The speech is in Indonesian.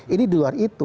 ini di luar itu